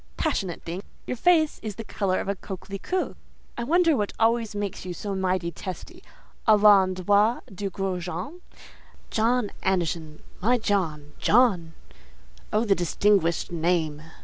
"Passionate thing! Your face is the colour of a coquelicot. I wonder what always makes you so mighty testy à l'endroit du gros Jean? 'John Anderson, my Joe, John!' Oh, the distinguished name!"